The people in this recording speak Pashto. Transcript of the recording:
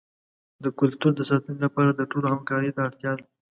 د کلتور د ساتنې لپاره د ټولو همکارۍ ته اړتیا ده.